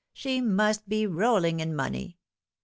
She must be rolling in money."